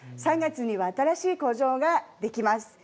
３月に新しい工場ができます。